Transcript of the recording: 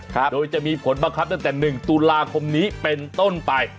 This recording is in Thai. โดยจะมีผลบังคับตั้งแต่๑ตุลาคมนี้เป็นต้นไป